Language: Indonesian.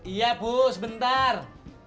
iya bu sebentar